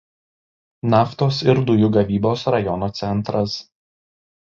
Naftos ir dujų gavybos rajono centras.